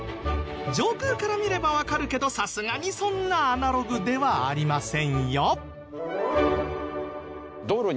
上空から見ればわかるけどさすがにそんなアナログではありませんよ。